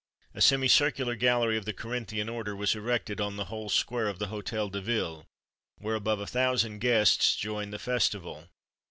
A semicircular gallery of the Corinthian order was erected on the whole square of the Hôtel de Ville, where above a thousand guests joined the festival.